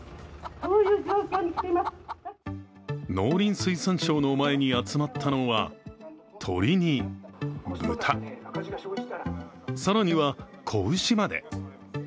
農林水産省の前に集まったのは鶏に、豚更には子牛まで。